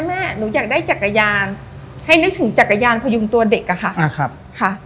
แม่หนูอยากได้จักรยานให้นึกถึงจักรยานพยุงตัวเด็กอะค่ะ